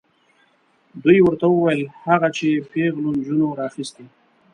دوی ورته وویل هغه چې پیغلو نجونو راخیستې.